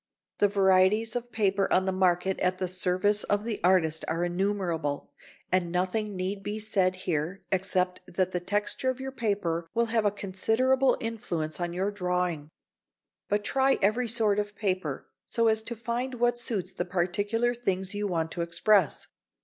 ] The varieties of paper on the market at the service of the artist are innumerable, and nothing need be said here except that the texture of your paper will have a considerable influence on your drawing. But try every sort of paper so as to find what suits the particular things you want to express.